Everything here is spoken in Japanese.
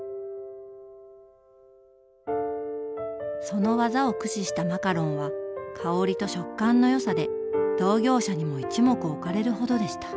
その技を駆使したマカロンは香りと食感の良さで同業者にも一目置かれるほどでした。